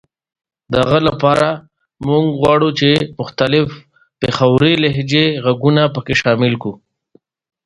ما له ځمکې پورته کړي ما له شرم نخوت رپیږم.